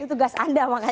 itu tugas anda makanya